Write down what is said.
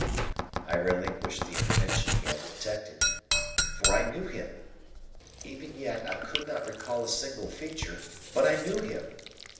I relinquished the intention he had detected, for I knew him! Even yet I could not recall a single feature, but I knew him!